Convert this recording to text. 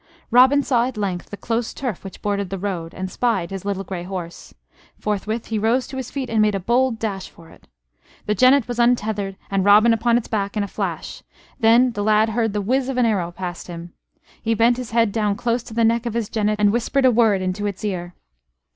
Robin saw at length the close turf which bordered the road, and spied his little grey horse. Forthwith he rose to his feet and made a bold dash for it. The jennet was untethered and Robin upon its back in a flash; then the lad heard the whizz of an arrow past him. He bent his head down close to the neck of his jennet and whispered a word into its ear.